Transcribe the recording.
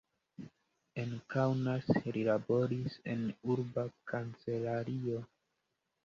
En Kaunas li laboris en urba kancelario.